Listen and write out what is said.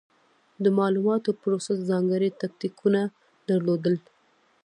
د مالوماتو پروسس ځانګړې تکتیکونه درلودل.